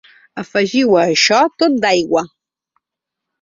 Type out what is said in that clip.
Afegiu a això tot d’aigua.